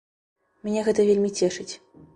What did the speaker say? Мяне гэта вельмі цешыць.